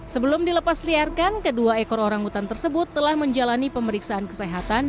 sebelum dilepas liarkan kedua ekor orang utan tersebut telah menjalani pemeriksaan kesehatan